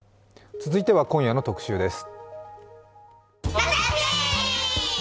続いては今夜の特集です。